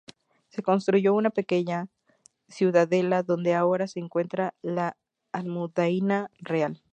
Se construyó una pequeña ciudadela donde ahora se encuentra La Almudaina Real.